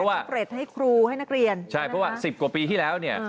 อ่าใช่เพราะว่า๑๐กว่าปีที่แล้วเนี่ย